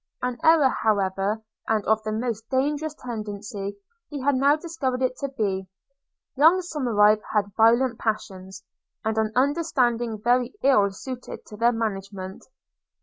– An error however, and of the most dangerous tendency, he had now discovered it to be; young Somerive had violent passions, and an understanding very ill suited to their management.